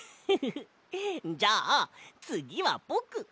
じゃあつぎはぼく。